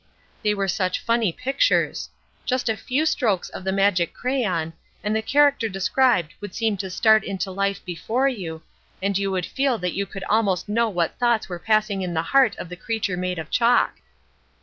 They were such funny pictures! just a few strokes of the magic crayon and the character described would seem to start into life before you, and you would feel that you could almost know what thoughts were passing in the heart of the creature made of chalk.